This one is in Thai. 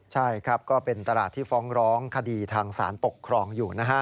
ใช่ครับก็เป็นตลาดที่ฟ้องร้องคดีทางสารปกครองอยู่นะฮะ